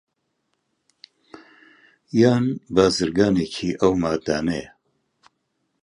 یان بازرگانێکی ئەو ماددانەیە